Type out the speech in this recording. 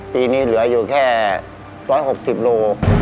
ปีนี้เหลืออยู่แค่๑๖๐โล